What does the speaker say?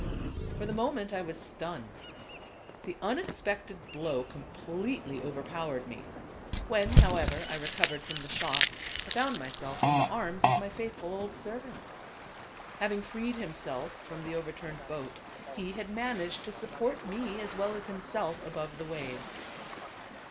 Bor the moment, I was stunned. The unex pected blow completely overpowered me. When however I recovered from the shock, I found myself in the arms of my faithful old servant. Having freed himself from the overturned boat, he had managed to support me as well as him self above the waves.